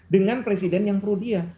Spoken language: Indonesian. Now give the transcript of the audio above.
dengan presiden yang pro dia